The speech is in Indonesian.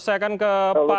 saya akan ke pak